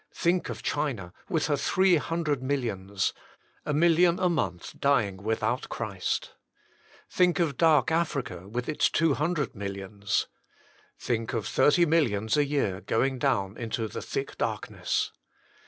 Think of China, with her three hundred millions a million a month dying without Christ. Think of Dark Africa, with its two hundred millions. Think of thirty millions a year going down into the thick darkness.